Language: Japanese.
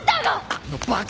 あのバカ！